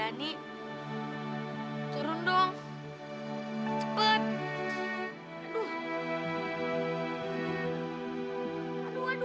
anakku bangun bullshit aduh